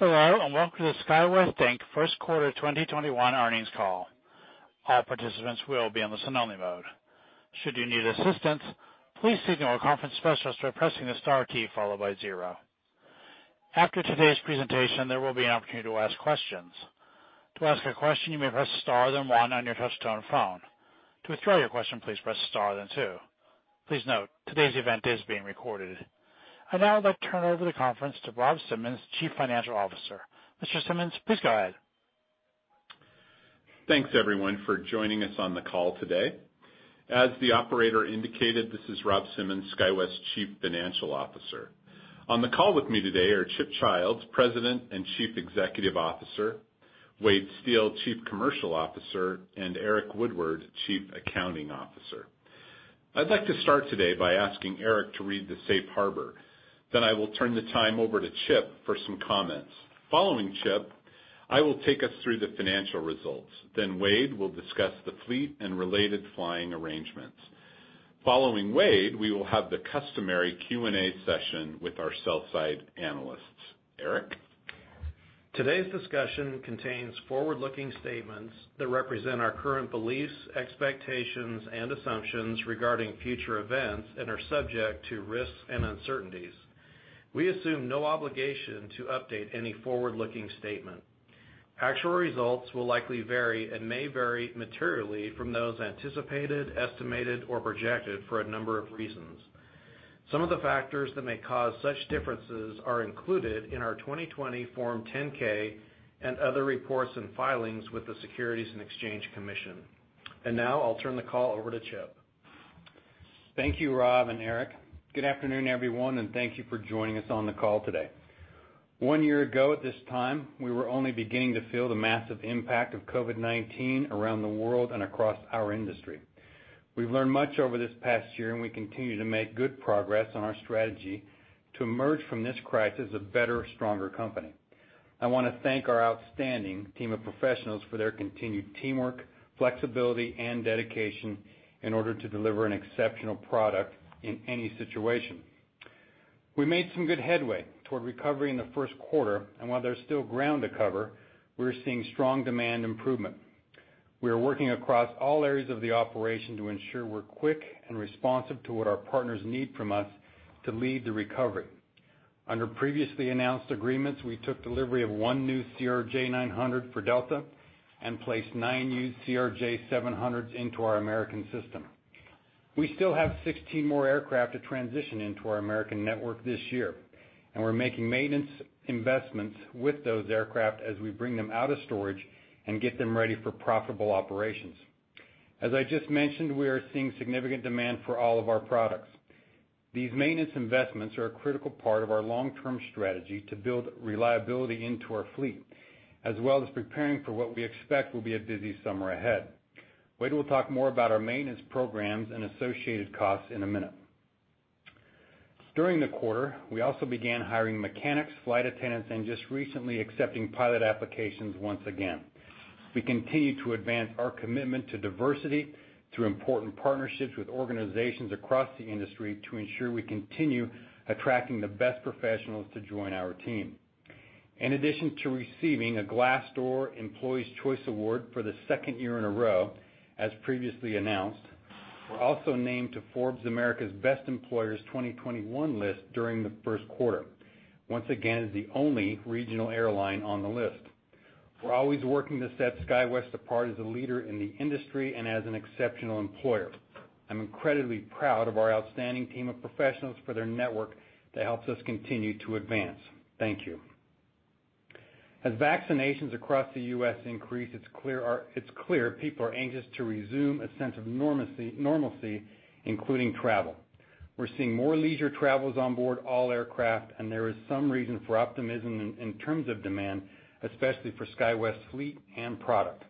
Hello, welcome to the SkyWest, Inc. first quarter 2021 earnings call. All participants will be in listen-only mode. Should you need assistance, please signal to our conference specialist by pressing the star key followed by zero. After today's presentation, there will be opportunity to ask questions. To ask questions, you may press star then one on your touchtone phone. To withdraw your question, please press star then two. Please note, today's event is being recorded. I'd now like to turn over the conference to Rob Simmons, Chief Financial Officer. Mr. Simmons, please go ahead. Thanks, everyone, for joining us on the call today. As the operator indicated, this is Rob Simmons, SkyWest's Chief Financial Officer. On the call with me today are Chip Childs, President and Chief Executive Officer, Wade Steel, Chief Commercial Officer, and Eric Woodward, Chief Accounting Officer. I'd like to start today by asking Eric to read the safe harbor. I will turn the time over to Russell for some comments. Following Russell, I will take us through the financial results. Wade will discuss the fleet and related flying arrangements. Following Wade, we will have the customary Q&A session with our sell-side analysts. Eric? Today's discussion contains forward-looking statements that represent our current beliefs, expectations, and assumptions regarding future events, and are subject to risks and uncertainties. We assume no obligation to update any forward-looking statement. Actual results will likely vary and may vary materially from those anticipated, estimated, or projected for a number of reasons. Some of the factors that may cause such differences are included in our 2020 Form 10-K and other reports and filings with the Securities and Exchange Commission. Now I'll turn the call over to Chip. Thank you, Rob and Eric. Good afternoon, everyone, and thank you for joining us on the call today. One year ago at this time, we were only beginning to feel the massive impact of COVID-19 around the world and across our industry. We've learned much over this past year, and we continue to make good progress on our strategy to emerge from this crisis a better, stronger company. I want to thank our outstanding team of professionals for their continued teamwork, flexibility, and dedication in order to deliver an exceptional product in any situation. We made some good headway toward recovery in the first quarter, and while there's still ground to cover, we're seeing strong demand improvement. We are working across all areas of the operation to ensure we're quick and responsive to what our partners need from us to lead the recovery. Under previously announced agreements, we took delivery of one new CRJ900 for Delta and placed nine used CRJ700s into our American system. We still have 16 more aircraft to transition into our American network this year, and we're making maintenance investments with those aircraft as we bring them out of storage and get them ready for profitable operations. As I just mentioned, we are seeing significant demand for all of our products. These maintenance investments are a critical part of our long-term strategy to build reliability into our fleet, as well as preparing for what we expect will be a busy summer ahead. Wade will talk more about our maintenance programs and associated costs in a minute. During the quarter, we also began hiring mechanics, flight attendants, and just recently accepting pilot applications once again. We continue to advance our commitment to diversity through important partnerships with organizations across the industry to ensure we continue attracting the best professionals to join our team. In addition to receiving a Glassdoor Employees' Choice Award for the second year in a row, as previously announced, we're also named to Forbes America's Best Employers 2021 list during the first quarter, once again, as the only regional airline on the list. We're always working to set SkyWest apart as a leader in the industry and as an exceptional employer. I'm incredibly proud of our outstanding team of professionals for their network that helps us continue to advance. Thank you. As vaccinations across the U.S. increase, it's clear people are anxious to resume a sense of normalcy, including travel. We're seeing more leisure travelers on board all aircraft, and there is some reason for optimism in terms of demand, especially for SkyWest's fleet and product.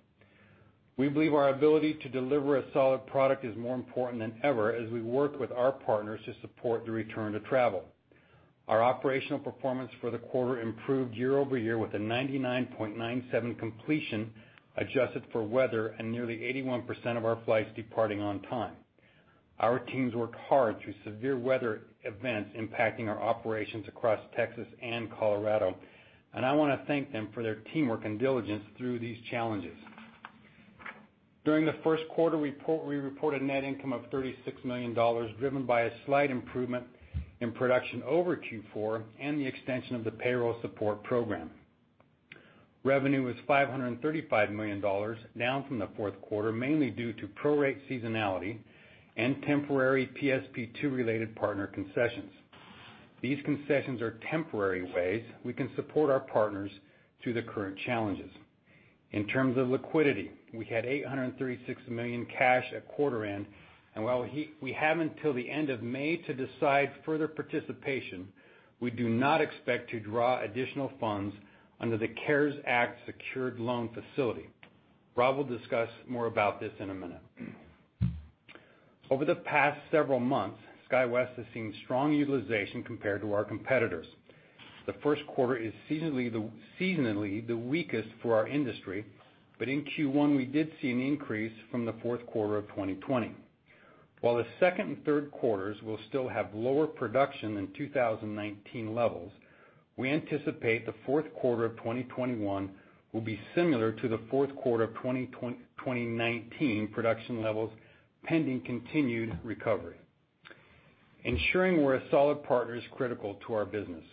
We believe our ability to deliver a solid product is more important than ever as we work with our partners to support the return to travel. Our operational performance for the quarter improved year-over-year with a 99.97% completion adjusted for weather and nearly 81% of our flights departing on time. Our teams worked hard through severe weather events impacting our operations across Texas and Colorado, and I want to thank them for their teamwork and diligence through these challenges. During the first quarter report, we reported net income of $36 million, driven by a slight improvement in production over Q4 and the extension of the Payroll Support Program. Revenue was $535 million, down from the fourth quarter, mainly due to prorate seasonality and temporary PSP2 related partner concessions. These concessions are temporary ways we can support our partners through the current challenges. In terms of liquidity, we had $836 million cash at quarter end, and while we have until the end of May to decide further participation, we do not expect to draw additional funds under the CARES Act secured loan facility. Rob will discuss more about this in a minute. Over the past several months, SkyWest has seen strong utilization compared to our competitors. The first quarter is seasonally the weakest for our industry, but in Q1 we did see an increase from the fourth quarter of 2020. While the second and third quarters will still have lower production than 2019 levels, we anticipate the fourth quarter of 2021 will be similar to the fourth quarter of 2019 production levels, pending continued recovery. Ensuring we're a solid partner is critical to our business,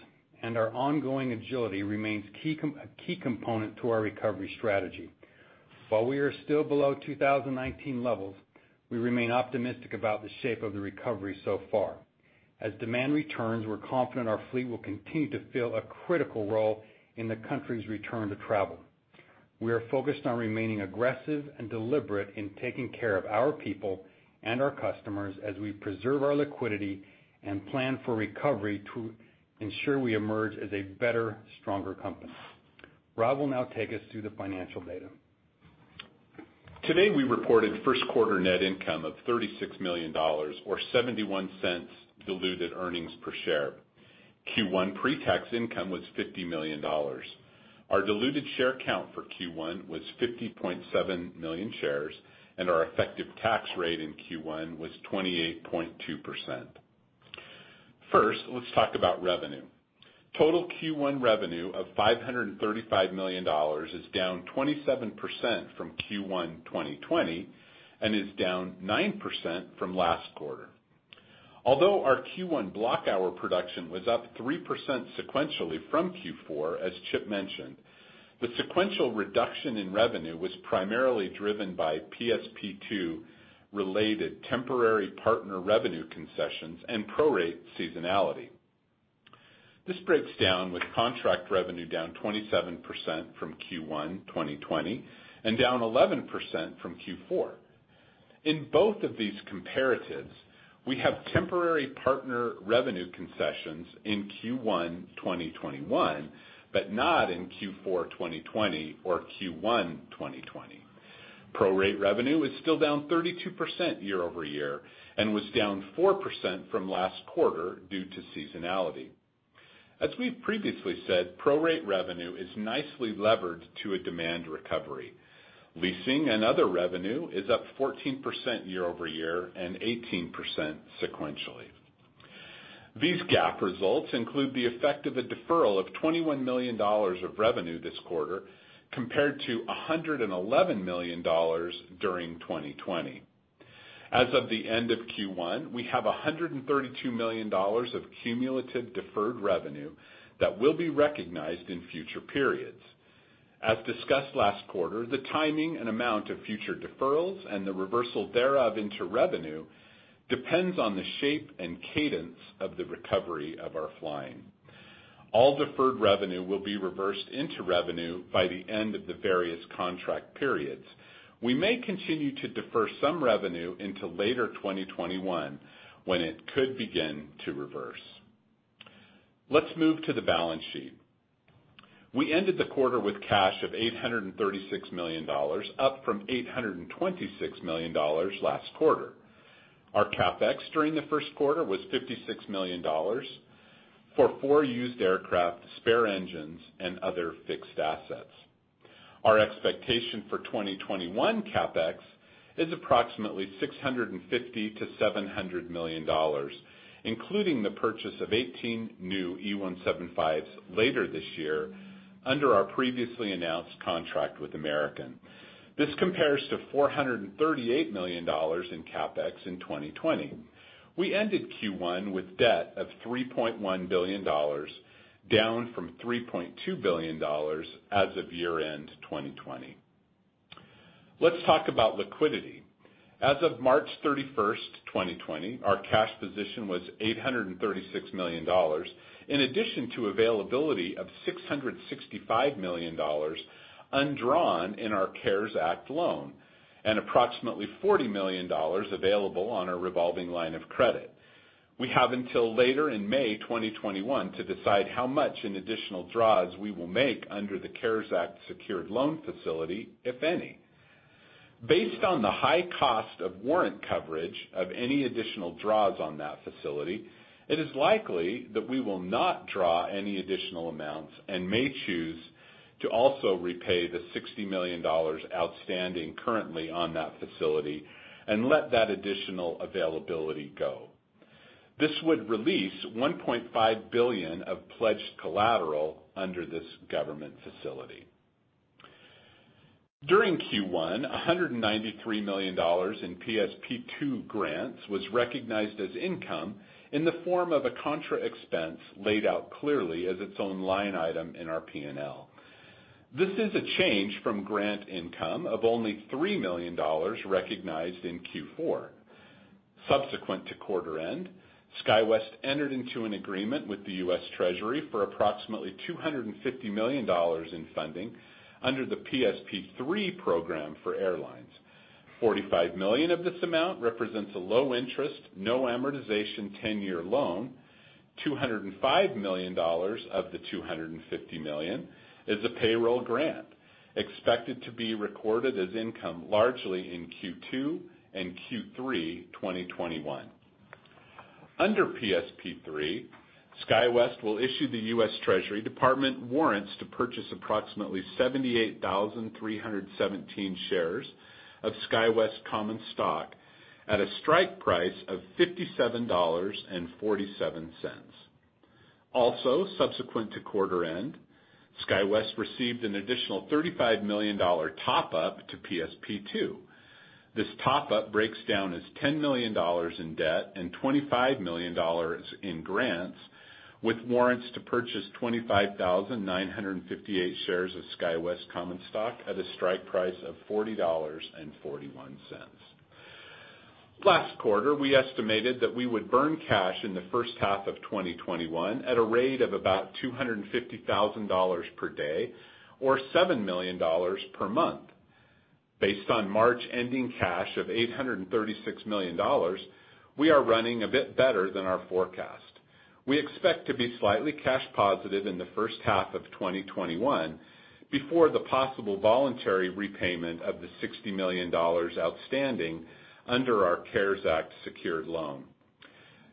and our ongoing agility remains a key component to our recovery strategy. While we are still below 2019 levels, we remain optimistic about the shape of the recovery so far. As demand returns, we're confident our fleet will continue to fill a critical role in the country's return to travel. We are focused on remaining aggressive and deliberate in taking care of our people and our customers as we preserve our liquidity and plan for recovery to ensure we emerge as a better, stronger company. Rob will now take us through the financial data. Today, we reported first quarter net income of $36 million, or $0.71 diluted earnings per share. Q1 pre-tax income was $50 million. Our diluted share count for Q1 was 50.7 million shares, and our effective tax rate in Q1 was 28.2%. First, let's talk about revenue. Total Q1 revenue of $535 million is down 27% from Q1 2020, and is down 9% from last quarter. Although our Q1 block hour production was up 3% sequentially from Q4, as Chip mentioned, the sequential reduction in revenue was primarily driven by PSP2 related temporary partner revenue concessions and prorate seasonality. This breaks down with contract revenue down 27% from Q1 2020, and down 11% from Q4. In both of these comparatives, we have temporary partner revenue concessions in Q1 2021, but not in Q4 2020 or Q1 2020. Prorate revenue is still down 32% year-over-year, and was down 4% from last quarter due to seasonality. As we've previously said, prorate revenue is nicely levered to a demand recovery. Leasing and other revenue is up 14% year-over-year and 18% sequentially. These GAAP results include the effect of a deferral of $21 million of revenue this quarter compared to $111 million during 2020. As of the end of Q1, we have $132 million of cumulative deferred revenue that will be recognized in future periods. As discussed last quarter, the timing and amount of future deferrals and the reversal thereof into revenue depends on the shape and cadence of the recovery of our flying. All deferred revenue will be reversed into revenue by the end of the various contract periods. We may continue to defer some revenue into later 2021, when it could begin to reverse. Let's move to the balance sheet. We ended the quarter with cash of $836 million, up from $826 million last quarter. Our CapEx during the first quarter was $56 million for four used aircraft, spare engines, and other fixed assets. Our expectation for 2021 CapEx is approximately $650 million-$700 million, including the purchase of 18 new E175s later this year under our previously announced contract with American. This compares to $438 million in CapEx in 2020. We ended Q1 with debt of $3.1 billion, down from $3.2 billion as of year end 2020. Let's talk about liquidity. As of March 31st, 2020, our cash position was $836 million, in addition to availability of $665 million undrawn in our CARES Act loan, and approximately $40 million available on our revolving line of credit. We have until later in May 2021 to decide how much in additional draws we will make under the CARES Act secured loan facility, if any. Based on the high cost of warrant coverage of any additional draws on that facility, it is likely that we will not draw any additional amounts and may choose to also repay the $60 million outstanding currently on that facility and let that additional availability go. This would release $1.5 billion of pledged collateral under this government facility. During Q1, $193 million in PSP2 grants was recognized as income in the form of a contra expense laid out clearly as its own line item in our P&L. This is a change from grant income of only $3 million recognized in Q4. Subsequent to quarter end, SkyWest entered into an agreement with the U.S. Treasury for approximately $250 million in funding under the PSP3 program for airlines. $45 million of this amount represents a low interest, no amortization, 10-year loan. $205 million of the $250 million is a payroll grant expected to be recorded as income largely in Q2 and Q3 2021. Under PSP3, SkyWest will issue the U.S. Treasury Department warrants to purchase approximately 78,317 shares of SkyWest common stock at a strike price of $57.47. Subsequent to quarter end, SkyWest received an additional $35 million top-up to PSP2. This top-up breaks down as $10 million in debt and $25 million in grants, with warrants to purchase 25,958 shares of SkyWest common stock at a strike price of $40.41. Last quarter, we estimated that we would burn cash in the first half of 2021 at a rate of about $250,000 per day, or $7 million per month. Based on March ending cash of $836 million, we are running a bit better than our forecast. We expect to be slightly cash positive in the first half of 2021 before the possible voluntary repayment of the $60 million outstanding under our CARES Act secured loan.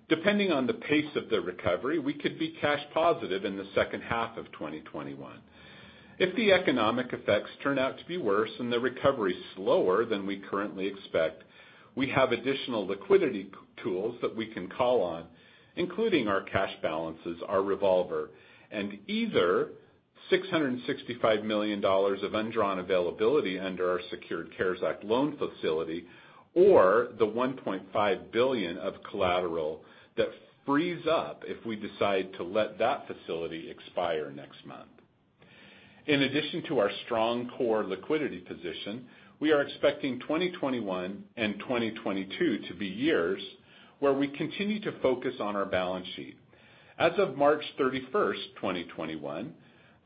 Depending on the pace of the recovery, we could be cash positive in the second half of 2021. If the economic effects turn out to be worse and the recovery slower than we currently expect, we have additional liquidity tools that we can call on, including our cash balances, our revolver, and either $665 million of undrawn availability under our secured CARES Act loan facility, or the $1.5 billion of collateral that frees up if we decide to let that facility expire next month. In addition to our strong core liquidity position, we are expecting 2021 and 2022 to be years where we continue to focus on our balance sheet. As of March 31st, 2021,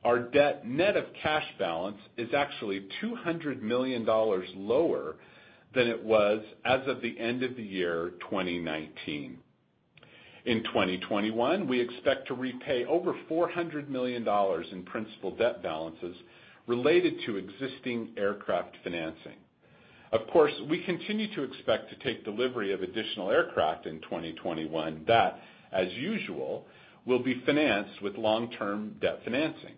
our debt net of cash balance is actually $200 million lower than it was as of the end of the year 2019. In 2021, we expect to repay over $400 million in principal debt balances related to existing aircraft financing. Of course, we continue to expect to take delivery of additional aircraft in 2021. That, as usual, will be financed with long-term debt financing.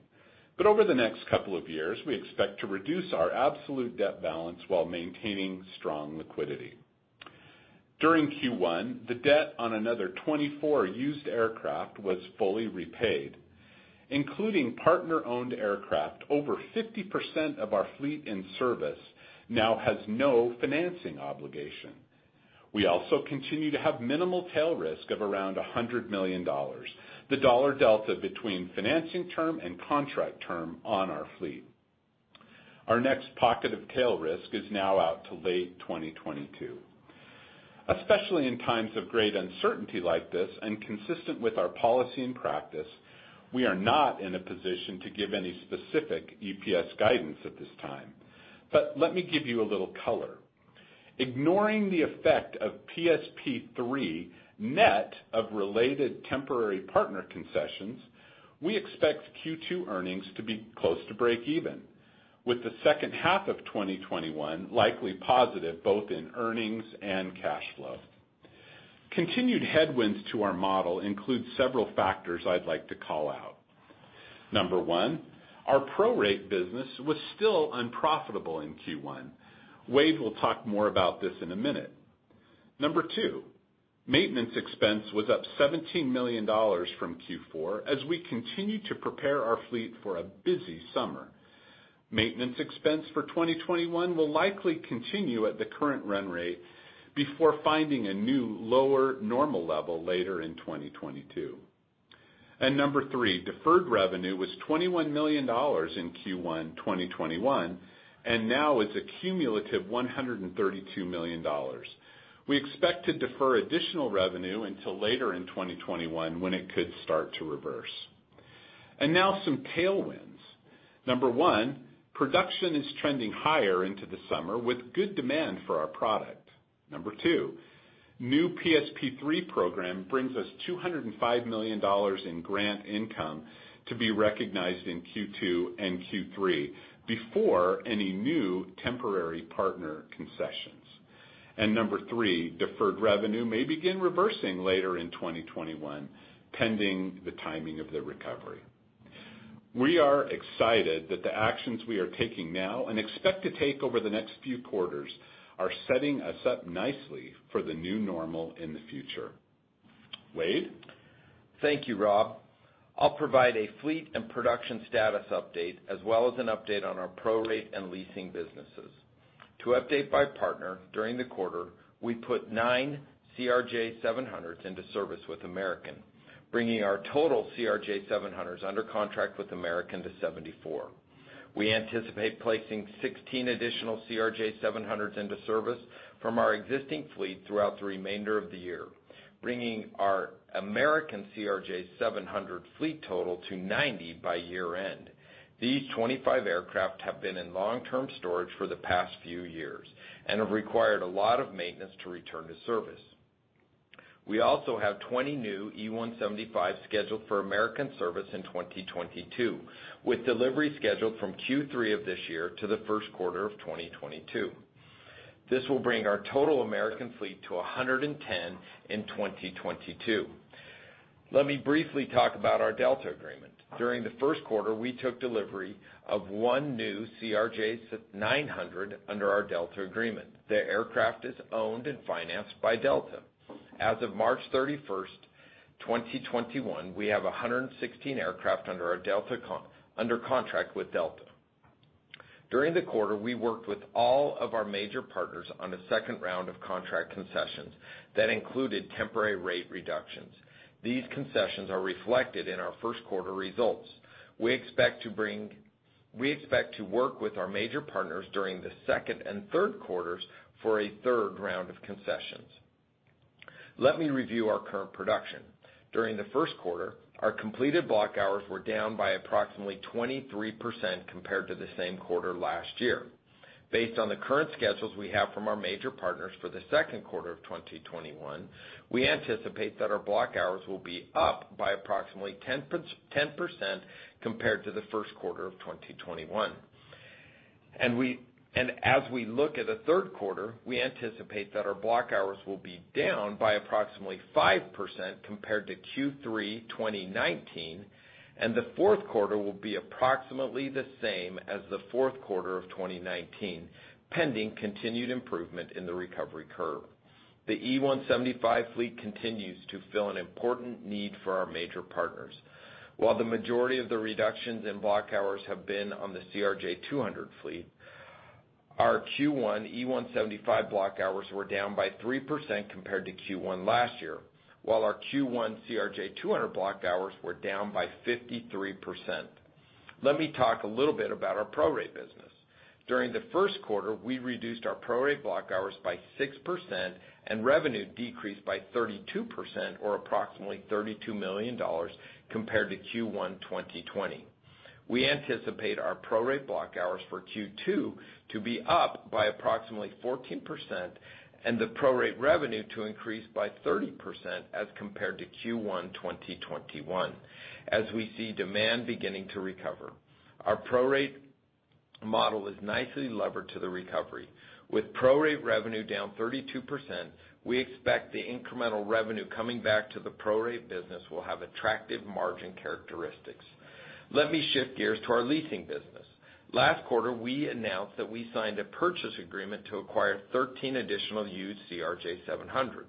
Over the next couple of years, we expect to reduce our absolute debt balance while maintaining strong liquidity. During Q1, the debt on another 24 used aircraft was fully repaid. Including partner-owned aircraft, over 50% of our fleet in service now has no financing obligation. We also continue to have minimal tail risk of around $100 million, the dollar delta between financing term and contract term on our fleet. Our next pocket of tail risk is now out to late 2022. Especially in times of great uncertainty like this, and consistent with our policy and practice, we are not in a position to give any specific EPS guidance at this time. Let me give you a little color. Ignoring the effect of PSP3 net of related temporary partner concessions, we expect Q2 earnings to be close to break even, with the second half of 2021 likely positive both in earnings and cash flow. Continued headwinds to our model include several factors I'd like to call out. Number one, our prorate business was still unprofitable in Q1. Wade will talk more about this in a minute. Number two, maintenance expense was up $17 million from Q4 as we continue to prepare our fleet for a busy summer. Maintenance expense for 2021 will likely continue at the current run rate before finding a new, lower, normal level later in 2022. Number three, deferred revenue was $21 million in Q1 2021, and now is a cumulative $132 million. We expect to defer additional revenue until later in 2021, when it could start to reverse. Now some tailwinds. Number one, production is trending higher into the summer with good demand for our product. Number two, new PSP3 program brings us $205 million in grant income to be recognized in Q2 and Q3 before any new temporary partner concessions. Number three, deferred revenue may begin reversing later in 2021, pending the timing of the recovery. We are excited that the actions we are taking now and expect to take over the next few quarters are setting us up nicely for the new normal in the future. Wade? Thank you, Rob. I'll provide a fleet and production status update as well as an update on our prorate and leasing businesses. To update by partner, during the quarter, we put nine CRJ700s into service with American, bringing our total CRJ700s under contract with American to 74. We anticipate placing 16 additional CRJ700s into service from our existing fleet throughout the remainder of the year, bringing our American CRJ700 fleet total to 90 by year-end. These 25 aircraft have been in long-term storage for the past few years and have required a lot of maintenance to return to service. We also have 20 new E175s scheduled for American service in 2022, with delivery scheduled from Q3 of this year to the first quarter of 2022. This will bring our total American fleet to 110 in 2022. Let me briefly talk about our Delta agreement. During the first quarter, we took delivery of one new CRJ900 under our Delta agreement. The aircraft is owned and financed by Delta. As of March 31st, 2021, we have 116 aircraft under contract with Delta. During the quarter, we worked with all of our major partners on a second round of contract concessions that included temporary rate reductions. These concessions are reflected in our first quarter results. We expect to work with our major partners during the second and third quarters for a third round of concessions. Let me review our current production. During the first quarter, our completed block hours were down by approximately 23% compared to the same quarter last year. Based on the current schedules we have from our major partners for the second quarter of 2021, we anticipate that our block hours will be up by approximately 10% compared to the first quarter of 2021. As we look at the third quarter, we anticipate that our block hours will be down by approximately 5% compared to Q3 2019, and the fourth quarter will be approximately the same as the fourth quarter of 2019, pending continued improvement in the recovery curve. The E175 fleet continues to fill an important need for our major partners. While the majority of the reductions in block hours have been on the CRJ200 fleet, our Q1 E175 block hours were down by 3% compared to Q1 last year, while our Q1 CRJ200 block hours were down by 53%. Let me talk a little bit about our prorate business. During the first quarter, we reduced our prorate block hours by 6%, and revenue decreased by 32%, or approximately $32 million compared to Q1 2020. We anticipate our prorate block hours for Q2 to be up by approximately 14%, and the prorate revenue to increase by 30% as compared to Q1 2021 as we see demand beginning to recover. Our prorate model is nicely levered to the recovery. With prorate revenue down 32%, we expect the incremental revenue coming back to the prorate business will have attractive margin characteristics. Let me shift gears to our leasing business. Last quarter, we announced that we signed a purchase agreement to acquire 13 additional used CRJ700.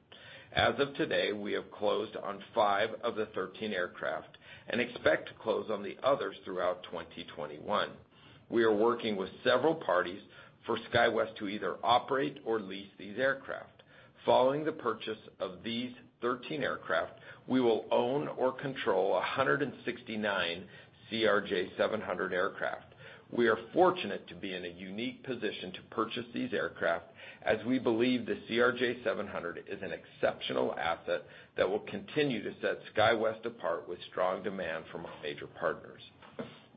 As of today, we have closed on five of the 13 aircraft and expect to close on the others throughout 2021. We are working with several parties for SkyWest to either operate or lease these aircraft. Following the purchase of these 13 aircraft, we will own or control 169 CRJ700 aircraft. We are fortunate to be in a unique position to purchase these aircraft, as we believe the CRJ700 is an exceptional asset that will continue to set SkyWest apart with strong demand from our major partners.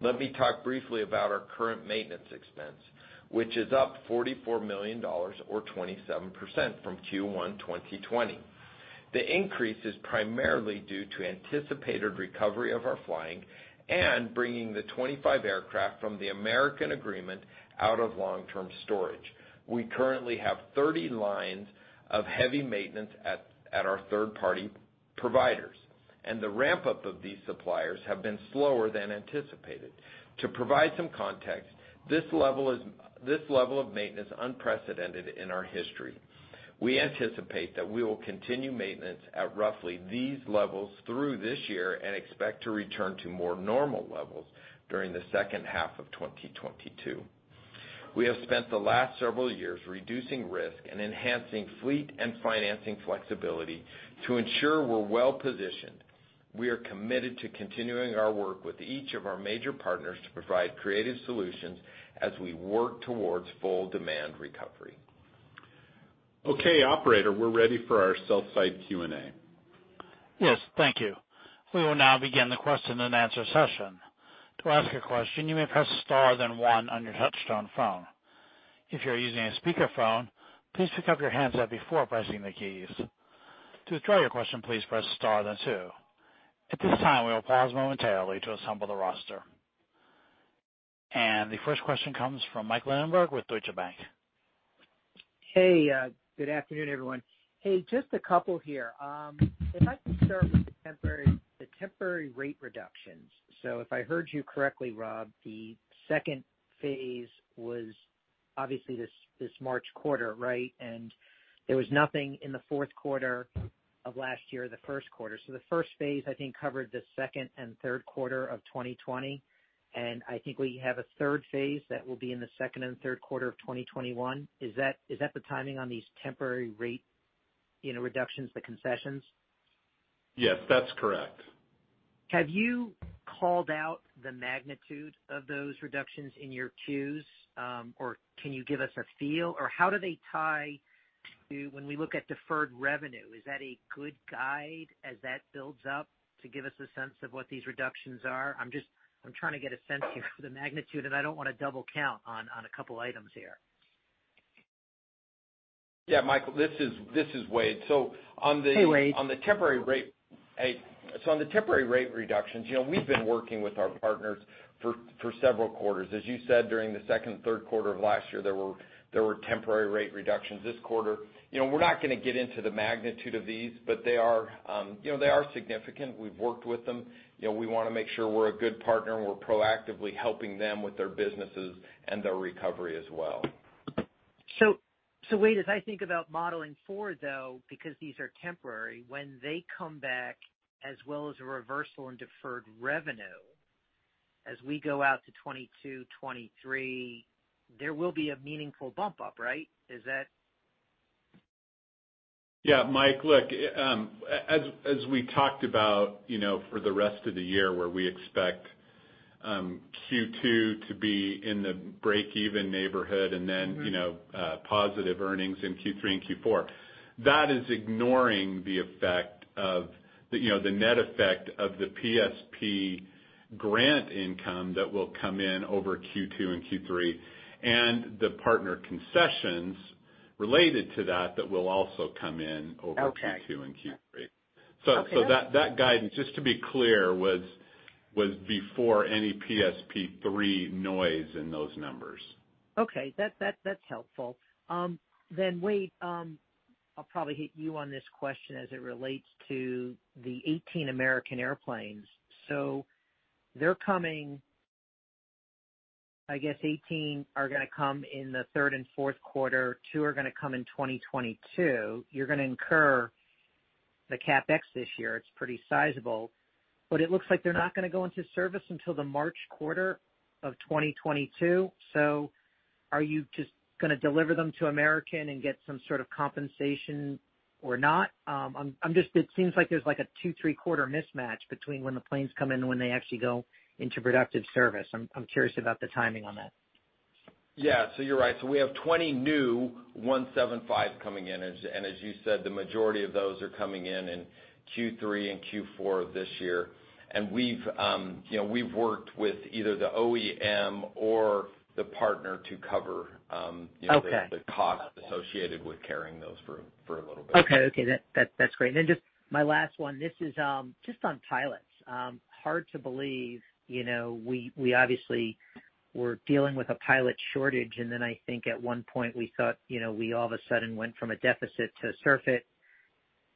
Let me talk briefly about our current maintenance expense, which is up $44 million or 27% from Q1 2020. The increase is primarily due to anticipated recovery of our flying and bringing the 25 aircraft from the American agreement out of long-term storage. We currently have 30 lines of heavy maintenance at our third-party providers, and the ramp-up of these suppliers have been slower than anticipated. To provide some context, this level of maintenance unprecedented in our history. We anticipate that we will continue maintenance at roughly these levels through this year and expect to return to more normal levels during the second half of 2022. We have spent the last several years reducing risk and enhancing fleet and financing flexibility to ensure we're well-positioned. We are committed to continuing our work with each of our major partners to provide creative solutions as we work towards full demand recovery. Okay, operator, we're ready for our sell-side Q&A. Yes. Thank you. We will now begin the question and answer session. To ask your question, may press star then one on your touchtone phone. If you're using a speaker phone, please pickup your handset before pressing the keys. To withdraw your question, please press star then two. It is time to pause momentarily to assemble the roster. The first question comes from Mike Linenberg with Deutsche Bank. Hey, good afternoon, everyone. Hey, just a couple here. If I can start with the temporary rate reductions. If I heard you correctly, Rob, the second phase was obviously this March quarter, right? There was nothing in the fourth quarter of last year or the first quarter. The first phase, I think, covered the second and third quarter of 2020. I think we have a third phase that will be in the second and third quarter of 2021. Is that the timing on these temporary rate reductions, the concessions? Yes, that's correct. Have you called out the magnitude of those reductions in your Qs? Can you give us a feel? How do they tie to when we look at deferred revenue? Is that a good guide as that builds up to give us a sense of what these reductions are? I'm trying to get a sense here for the magnitude, and I don't want to double count on a couple items here. Yeah, Mike, this is Wade. Hey, Wade. On the temporary rate reductions, we've been working with our partners for several quarters. As you said, during the second and third quarter of last year, there were temporary rate reductions. This quarter, we're not going to get into the magnitude of these, but they are significant. We've worked with them. We want to make sure we're a good partner, and we're proactively helping them with their businesses and their recovery as well. Wade, as I think about modeling forward, though, because these are temporary, when they come back, as well as a reversal in deferred revenue, as we go out to 2022, 2023, there will be a meaningful bump up, right? Is that? Yeah, Mike, look, as we talked about for the rest of the year, where we expect Q2 to be in the breakeven neighborhood, and then positive earnings in Q3 and Q4, that is ignoring the net effect of the PSP grant income that will come in over Q2 and Q3 and the partner concessions related to that will also come in over Q2 and Q3. Okay. That guidance, just to be clear, was before any PSP3 noise in those numbers. Okay. That's helpful. Wade, I'll probably hit you on this question as it relates to the 18 American airplanes. They're coming, I guess 18 are going to come in the third and fourth quarter. Two are going to come in 2022. You're going to incur the CapEx this year. It's pretty sizable, but it looks like they're not going to go into service until the March quarter of 2022. Are you just going to deliver them to American and get some sort of compensation or not? It seems like there's a two, three-quarter mismatch between when the planes come in and when they actually go into productive service. I'm curious about the timing on that. Yeah. You're right. We have 20 new E175 coming in, as you said, the majority of those are coming in Q3 and Q4 of this year. We've worked with either the OEM or the partner to cover the cost associated with carrying those for a little bit. Okay. That's great. Then just my last one, this is just on pilots. Hard to believe, we obviously were dealing with a pilot shortage, then I think at one point we thought we all of a sudden went from a deficit to surfeit,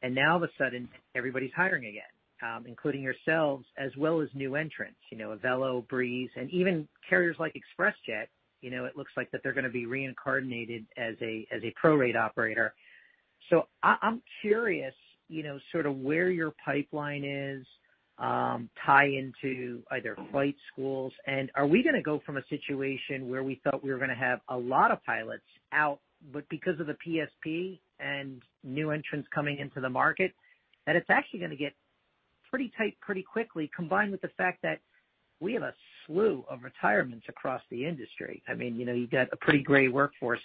now all of a sudden, everybody's hiring again, including yourselves, as well as new entrants, Avelo, Breeze, and even carriers like ExpressJet. It looks like that they're going to be reincarnated as a prorate operator. I'm curious where your pipeline is, tie into either flight schools and are we going to go from a situation where we thought we were going to have a lot of pilots out, but because of the PSP and new entrants coming into the market, that it's actually going to get pretty tight pretty quickly, combined with the fact that we have a slew of retirements across the industry. You've got a pretty gray workforce.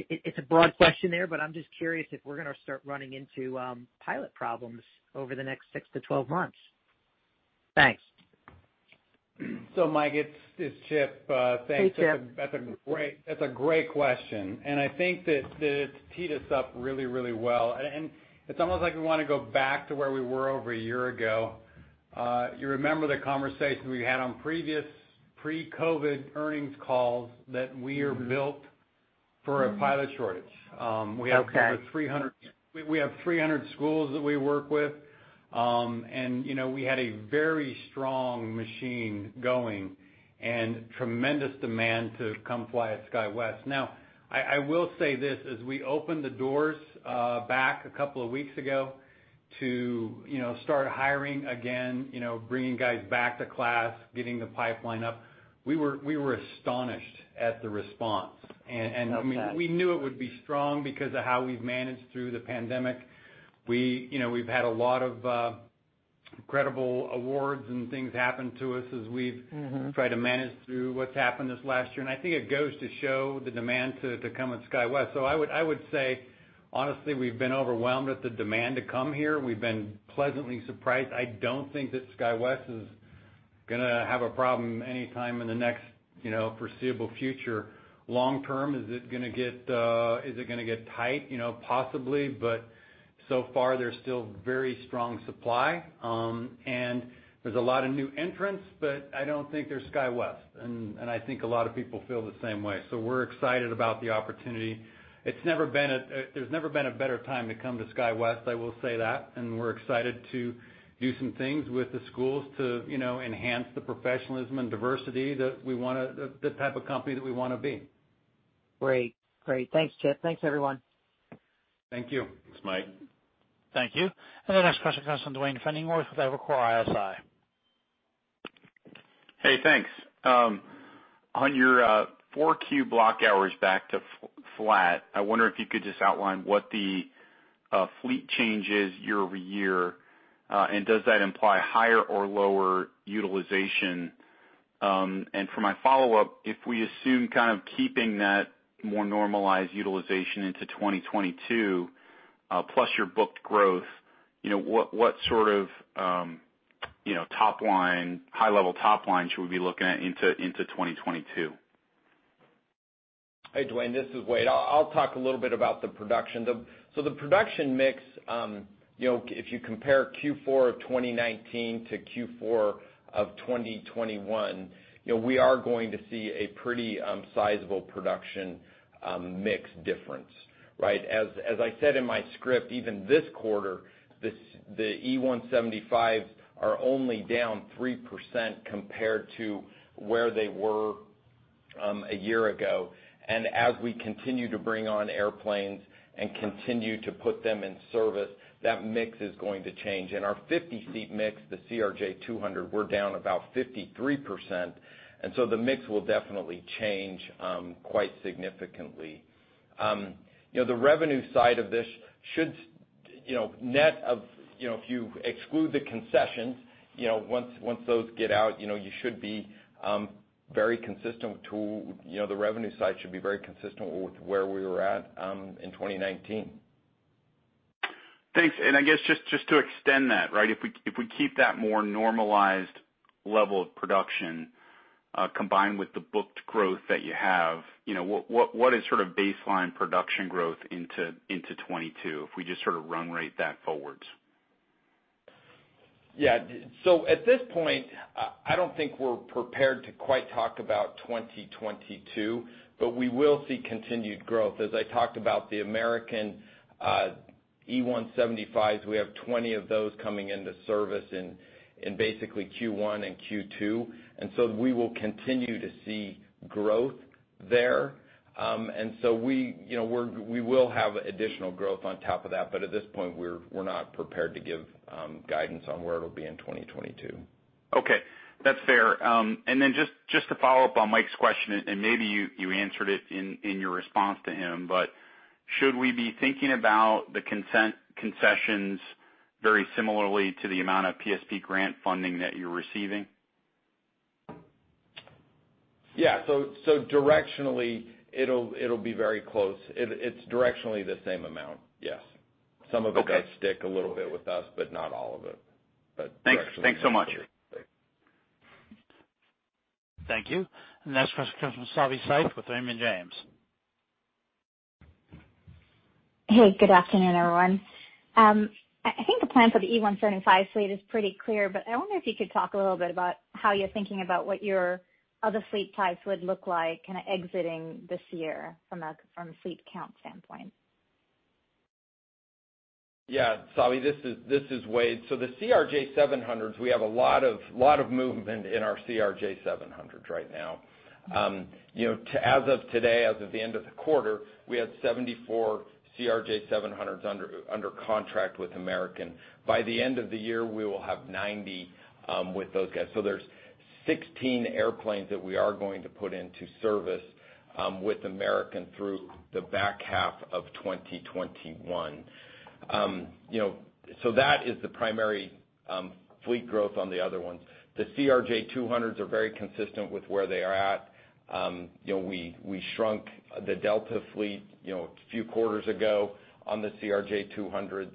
It's a broad question there, but I'm just curious if we're going to start running into pilot problems over the next 6-12 months. Thanks. So Mike, it's Chip. Hey, Chip. That's a great question. I think that it's teed us up really, really well. It's almost like we want to go back to where we were over a year ago. You remember the conversation we had on previous pre-COVID earnings calls that we are built for a pilot shortage. Okay. We have 300 schools that we work with. We had a very strong machine going and tremendous demand to come fly at SkyWest. Now, I will say this, as we opened the doors back a couple of weeks ago to start hiring again, bringing guys back to class, getting the pipeline up, we were astonished at the response. Okay. We knew it would be strong because of how we've managed through the pandemic. We've had a lot of incredible awards and things happen to us, as we tried to manage through what's happened this last year, and I think it goes to show the demand to come with SkyWest. I would say, honestly, we've been overwhelmed with the demand to come here. We've been pleasantly surprised. I don't think that SkyWest is going to have a problem anytime in the next foreseeable future. Long term, is it going to get tight? Possibly, but so far there's still very strong supply. There's a lot of new entrants, but I don't think there's SkyWest, and I think a lot of people feel the same way. We're excited about the opportunity. There's never been a better time to come to SkyWest, I will say that, and we're excited to do some things with the schools to enhance the professionalism and diversity, the type of company that we want to be. Great. Thanks, Chip. Thanks, everyone. Thank you. Thanks, Mike. Thank you. The next question comes from Duane Pfennigwerth with Evercore ISI. Hey, thanks. On your 4Q block hours back to flat, I wonder if you could just outline what the fleet change is year-over-year. Does that imply higher or lower utilization? For my follow-up, if we assume kind of keeping that more normalized utilization into 2022, plus your booked growth, what sort of top line, high-level top line should we be looking at into 2022? Hey, Duane, this is Wade. I'll talk a little bit about the production. The production mix, if you compare Q4 of 2019 to Q4 of 2021, we are going to see a pretty sizable production mix difference, right. As I said in my script, even this quarter, the E175s are only down 3% compared to where they were a year ago. As we continue to bring on airplanes and continue to put them in service, that mix is going to change. In our 50-seat mix, the CRJ200, we're down about 53%, and so the mix will definitely change quite significantly. The revenue side of this should, if you exclude the concessions, once those get out, the revenue side should be very consistent with where we were at in 2019. Thanks. I guess, just to extend that, right? If we keep that more normalized level of production, combined with the booked growth that you have, what is sort of baseline production growth into 2022 if we just sort of run rate that forwards? Yeah. At this point, I don't think we're prepared to quite talk about 2022, but we will see continued growth. As I talked about the American E175s, we have 20 of those coming into service in basically Q1 and Q2, and so we will continue to see growth there. We will have additional growth on top of that, but at this point, we're not prepared to give guidance on where it'll be in 2022. Okay. That's fair. Then just to follow up on Mike's question, and maybe you answered it in your response to him, but should we be thinking about the concessions very similarly to the amount of PSP grant funding that you're receiving? Yeah. Directionally, it'll be very close. It's directionally the same amount, yes. Okay. Some of it does stick a little bit with us, but not all of it, but directionally same. Thanks so much. Sure. Thanks. Thank you. The next question comes from Savi Syth with Raymond James. Hey, good afternoon, everyone. I think the plan for the E175 fleet is pretty clear, but I wonder if you could talk a little bit about how you're thinking about what your other fleet types would look like exiting this year from a fleet count standpoint. Yeah, Savi, this is Wade. The CRJ700s, we have a lot of movement in our CRJ700s right now. As of today, as of the end of the quarter, we had 74 CRJ700s under contract with American. By the end of the year, we will have 90 with those guys. There's 16 airplanes that we are going to put into service with American through the back half of 2021. That is the primary fleet growth on the other ones. The CRJ200s are very consistent with where they are at. We shrunk the Delta fleet a few quarters ago on the CRJ200s.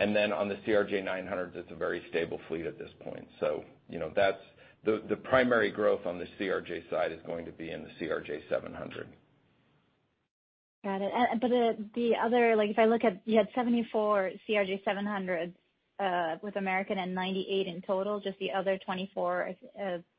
On the CRJ900s, it's a very stable fleet at this point. The primary growth on the CRJ side is going to be in the CRJ700. Got it. The other, if I look at, you had 74 CRJ700 with American and 98 in total, just the other 24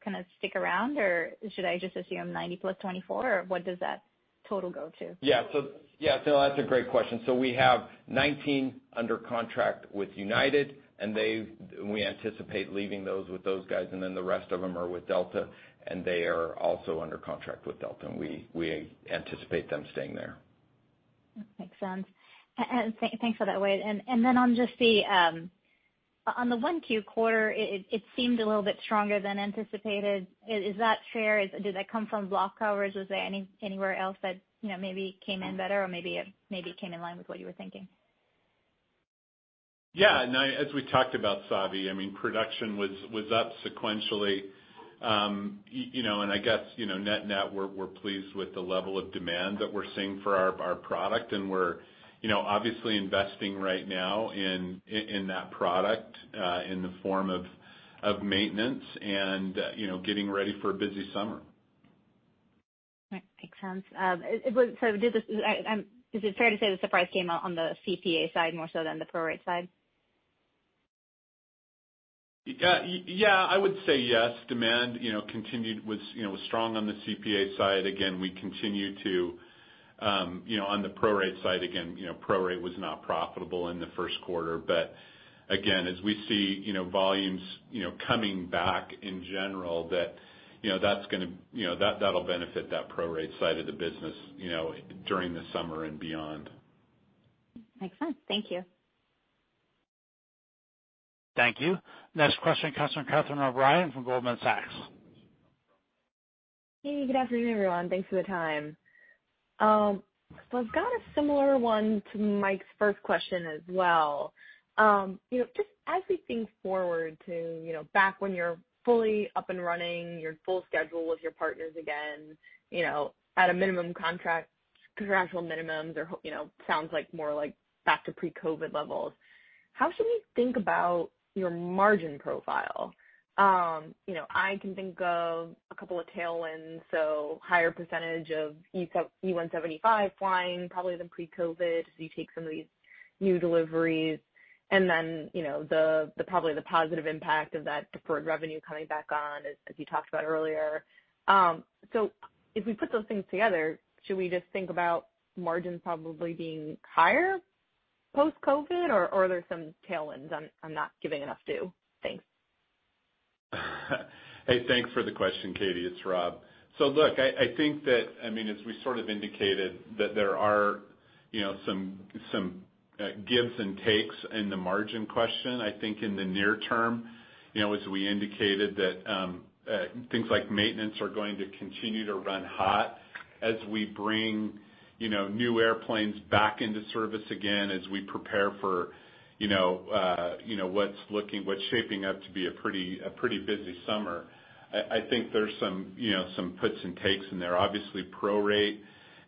kind of stick around, or should I just assume 90 + 24? What does that total go to? Yeah. That's a great question. We have 19 under contract with United, and we anticipate leaving those with those guys, and then the rest of them are with Delta, and they are also under contract with Delta, and we anticipate them staying there. Makes sense. Thanks for that, Wade. Then on just the 1Q quarter, it seemed a little bit stronger than anticipated. Is that fair? Did that come from block hours? Was there anywhere else that maybe came in better, or maybe it came in line with what you were thinking? Yeah. No, as we talked about, Savi, production was up sequentially. I guess, net-net, we're pleased with the level of demand that we're seeing for our product, and we're obviously investing right now in that product, in the form of maintenance and getting ready for a busy summer. All right, makes sense. Is it fair to say the surprise came out on the CPA side more so than the prorate side? Yeah, I would say yes. Demand was strong on the CPA side. On the prorate side, prorate was not profitable in the first quarter. As we see volumes coming back in general, that'll benefit that prorate side of the business during the summer and beyond. Makes sense. Thank you. Thank you. Next question comes from Catherine O'Brien from Goldman Sachs. Hey, good afternoon, everyone. Thanks for the time. I've got a similar one to Mike's first question as well. Just as we think forward to back when you're fully up and running your full schedule with your partners again, at a minimum Contractual minimums sounds like more like back to pre-COVID levels. How should we think about your margin profile? I can think of a couple of tailwinds, so higher percentage of E175 flying probably than pre-COVID as you take some of these new deliveries, and then, probably the positive impact of that deferred revenue coming back on, as you talked about earlier. If we put those things together, should we just think about margins probably being higher post-COVID, or are there some tailwinds I'm not giving enough due? Thanks. Hey, thanks for the question, Cathie. It's Rob. Look, I think that, as we sort of indicated, that there are some gives and takes in the margin question, I think in the near term. As we indicated that things like maintenance are going to continue to run hot as we bring new airplanes back into service again, as we prepare for what's shaping up to be a pretty busy summer. I think there's some puts and takes in there. Obviously, prorate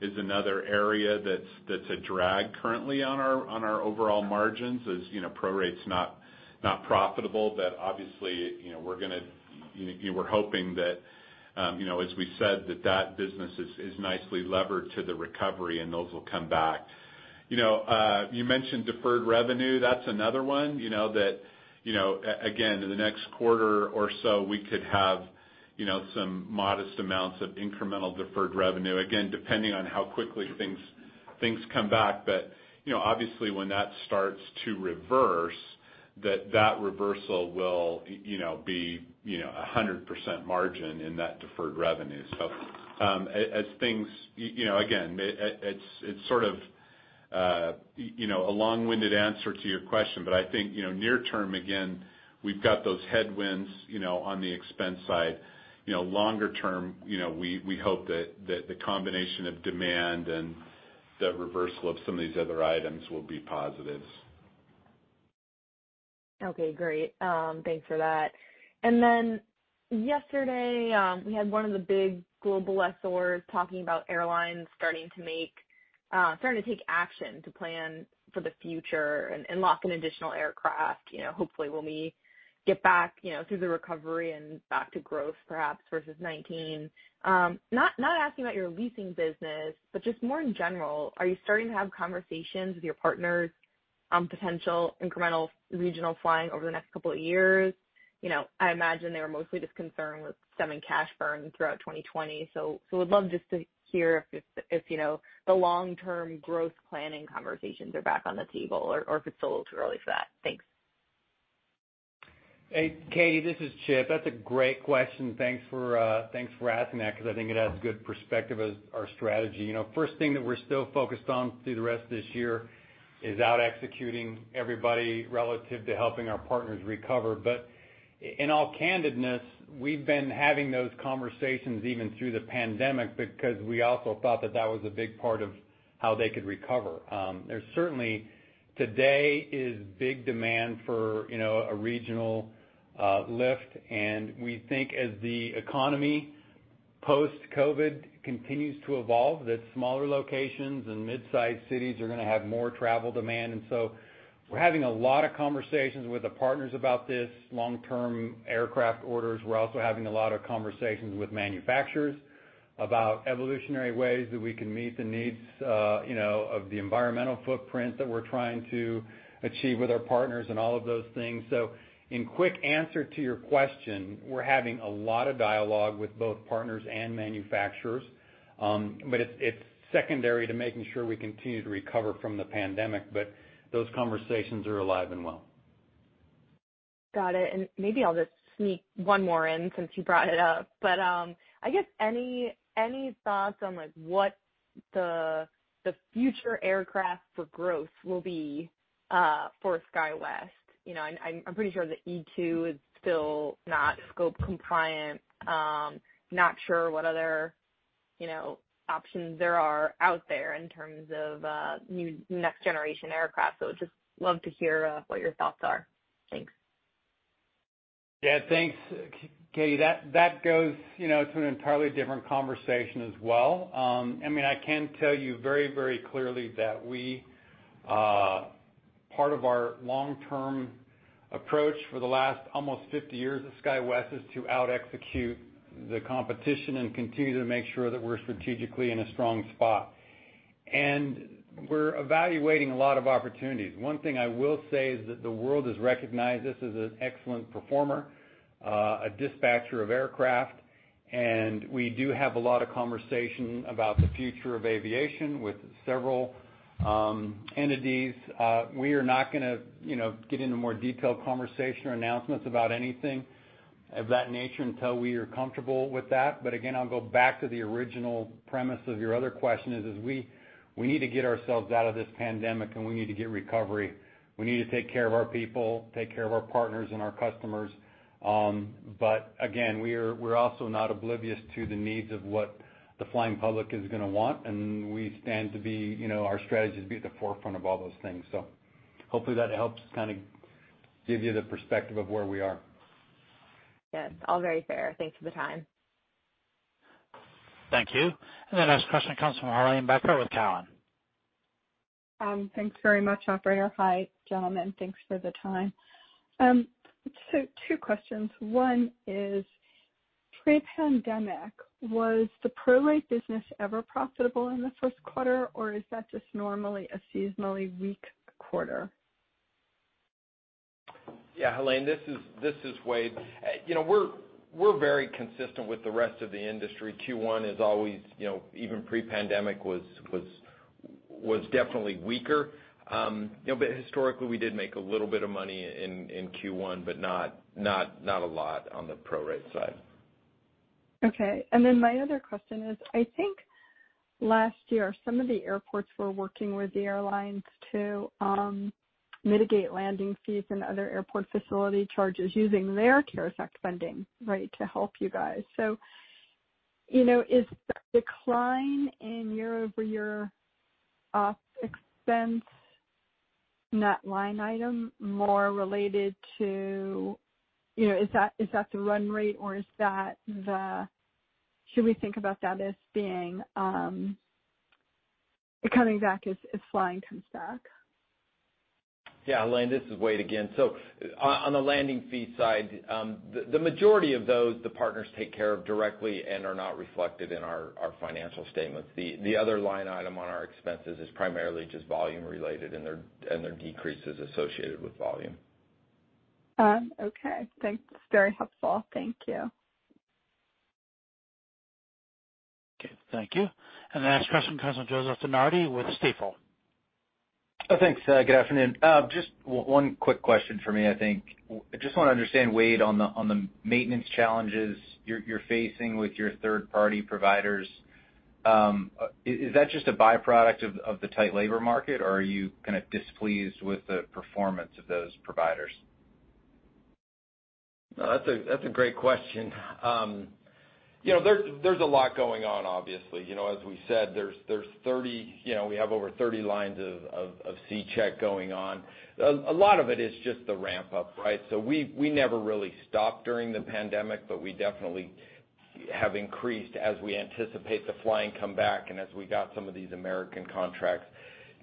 is another area that's a drag currently on our overall margins, as prorate's not profitable. Obviously, we're hoping that, as we said, that that business is nicely levered to the recovery, and those will come back. You mentioned deferred revenue, that's another one, that, again, in the next quarter or so, we could have some modest amounts of incremental deferred revenue, again, depending on how quickly things come back. Obviously, when that starts to reverse, that reversal will be 100% margin in that deferred revenue. Again, it's sort of a long-winded answer to your question, I think near term, again, we've got those headwinds on the expense side. Longer term, we hope that the combination of demand and the reversal of some of these other items will be positives. Okay, great. Thanks for that. Then yesterday, we had one of the big global lessors talking about airlines starting to take action to plan for the future and lock in additional aircraft. Hopefully when we get back through the recovery and back to growth perhaps versus 2019. Not asking about your leasing business, but just more in general, are you starting to have conversations with your partners on potential incremental regional flying over the next couple of years? I imagine they were mostly just concerned with stemming cash burn throughout 2020. Would love just to hear if the long-term growth planning conversations are back on the table or if it's still a little too early for that. Thanks. Hey, Cathie, this is Chip. That's a great question. Thanks for asking that because I think it adds good perspective of our strategy. First thing that we're still focused on through the rest of this year is out-executing everybody relative to helping our partners recover. In all candidness, we've been having those conversations even through the pandemic because we also thought that that was a big part of how they could recover. There's certainly, today is big demand for a regional lift, and we think as the economy post-COVID continues to evolve, that smaller locations and midsize cities are going to have more travel demand. We're having a lot of conversations with the partners about this, long-term aircraft orders. We're also having a lot of conversations with manufacturers about evolutionary ways that we can meet the needs of the environmental footprint that we're trying to achieve with our partners and all of those things. In quick answer to your question, we're having a lot of dialogue with both partners and manufacturers, but it's secondary to making sure we continue to recover from the pandemic. Those conversations are alive and well. Got it. Maybe I'll just sneak one more in since you brought it up. I guess any thoughts on what the future aircraft for growth will be for SkyWest? I'm pretty sure the E2 is still not scope compliant. Not sure what other options there are out there in terms of next generation aircraft. Would just love to hear what your thoughts are. Thanks. Yeah. Thanks, Cathie. That goes to an entirely different conversation as well. I can tell you very clearly that part of our long-term approach for the last almost 50 years of SkyWest is to out-execute the competition and continue to make sure that we're strategically in a strong spot. We're evaluating a lot of opportunities. One thing I will say is that the world has recognized us as an excellent performer, a dispatcher of aircraft, and we do have a lot of conversation about the future of aviation with several entities. We are not going to get into more detailed conversation or announcements about anything of that nature until we are comfortable with that. Again, I'll go back to the original premise of your other question, is we need to get ourselves out of this pandemic, and we need to get recovery. We need to take care of our people, take care of our partners and our customers. Again, we're also not oblivious to the needs of what the flying public is going to want, and our strategy is to be at the forefront of all those things. Hopefully that helps kind of give you the perspective of where we are. Yes. All very fair. Thanks for the time. Thank you. The next question comes from Helane Becker with Cowen. Thanks very much, operator. Hi, gentlemen. Thanks for the time. Two questions. one is, pre-pandemic, was the prorate business ever profitable in the first quarter, or is that just normally a seasonally weak quarter? Yeah, Helane, this is Wade. We're very consistent with the rest of the industry. Q1 is always, even pre-pandemic, was definitely weaker. Historically, we did make a little bit of money in Q1, but not a lot on the prorate side. Okay. My other question is, I think last year, some of the airports were working with the airlines to mitigate landing fees and other airport facility charges using their CARES Act funding, right, to help you guys. Is the decline in year-over-year OpEx net line item, is that the run rate, or should we think about that as coming back as flying comes back? Yeah, Helane, this is Wade again. On the landing fee side, the majority of those, the partners take care of directly and are not reflected in our financial statements. The other line item on our expenses is primarily just volume related, and there are decreases associated with volume. Okay. Thanks. Very helpful. Thank you. Okay, thank you. The next question comes from Joseph DeNardi with Stifel. Thanks. Good afternoon. Just one quick question from me, I think. I just want to understand, Wade, on the maintenance challenges you're facing with your third-party providers, is that just a byproduct of the tight labor market, or are you kind of displeased with the performance of those providers? No, that's a great question. There's a lot going on, obviously. As we said, we have over 30 lines of C Check going on. A lot of it is just the ramp-up, right? We never really stopped during the pandemic, but we definitely have increased as we anticipate the flying come back, and as we got some of these American contracts.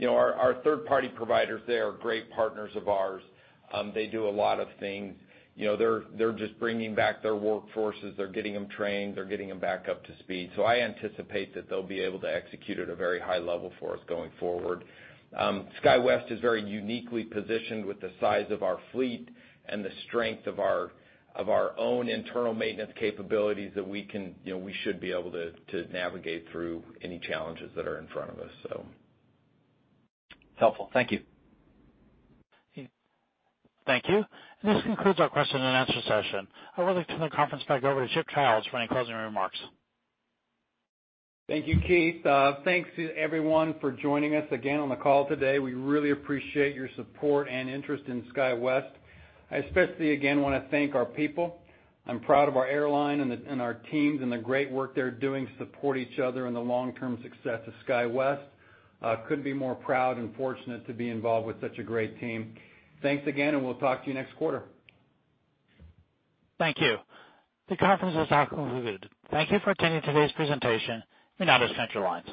Our third-party providers, they are great partners of ours. They do a lot of things. They're just bringing back their workforces. They're getting them trained. They're getting them back up to speed. I anticipate that they'll be able to execute at a very high level for us going forward. SkyWest is very uniquely positioned with the size of our fleet and the strength of our own internal maintenance capabilities that we should be able to navigate through any challenges that are in front of us. Helpful. Thank you. Thank you. This concludes our question and answer session. I would like to turn the conference back over to Chip Childs for any closing remarks. Thank you, Keith. Thanks to everyone for joining us again on the call today. We really appreciate your support and interest in SkyWest. I especially, again, want to thank our people. I'm proud of our airline and our teams and the great work they're doing to support each other in the long-term success of SkyWest. Couldn't be more proud and fortunate to be involved with such a great team. Thanks again, and we'll talk to you next quarter. Thank you. The conference has now concluded. Thank you for attending today's presentation. You may now disconnect your lines.